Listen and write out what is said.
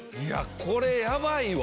これヤバいわ。